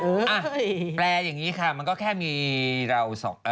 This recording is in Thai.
อ่ะแปลอย่างนี้ค่ะมันก็แค่มีเราสอง